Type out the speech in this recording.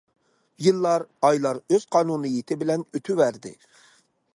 يىللار، ئايلار ئۆز قانۇنىيىتى بىلەن ئۆتۈۋەردى.